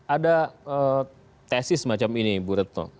ada tesis semacam ini bu retno